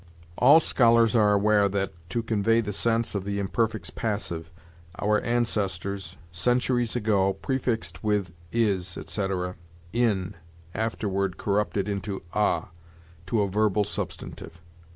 All scholars are aware that, to convey the sense of the imperfects passive, our ancestors, centuries ago, prefixed, with is, etc., in, afterward corrupted into a, to a verbal substantive.